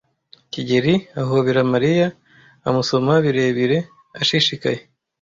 kigeli ahobera Mariya amusoma birebire, ashishikaye.